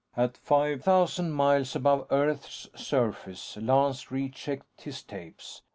At five thousand miles above Earth's surface, Lance re checked his tapes.